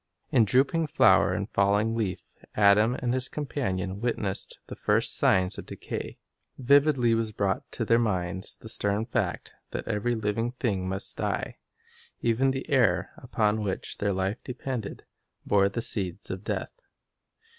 In drooping flower and falling leaf Adam and his companion witnessed the first signs of decay. Vividly was brought to their minds the stern fact that every living thing must die. Even the air, upon which their life depended, bore the seeds of death.